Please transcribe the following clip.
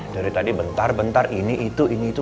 dari tadi bentar bentar ini itu ini itu